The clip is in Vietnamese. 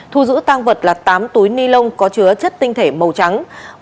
thu giữ tang vật là tám túi ni lông có chứa chất tinh thể màu trắng